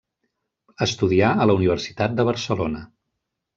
Estudià a la Universitat de Barcelona.